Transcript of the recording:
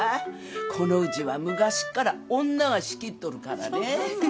このうちは昔っから女が仕切っとるからね。